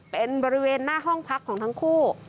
เป็นบริเวณหน้าห้องพักของทั้งคู่